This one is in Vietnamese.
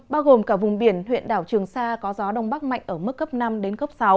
bao gồm cả vùng biển huyện đảo trường sa có gió đông bắc mạnh ở mức cấp năm đến cấp sáu